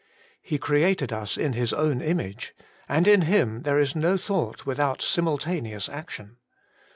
He created us in His own image, and in Him there is no Thought without simultaneous Action.'